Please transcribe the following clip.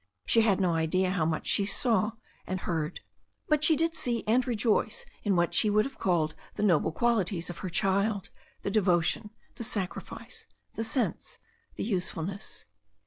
She had no idea how much she saw and heard. But she did see and rejoice in what she would have called the noble qualities of her child: the devotion, the sacrifice, the sense, the usefulness.